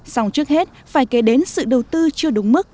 xong trước hết phải kể đến sự đầu tư chưa đúng mức